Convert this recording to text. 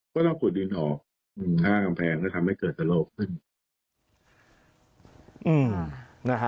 ก็ต้องขุดดินออกข้างกำแพงแล้วทำให้เกิดกระโลกขึ้น